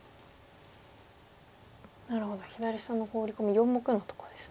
なるほど左下のホウリコミ４目のとこですね。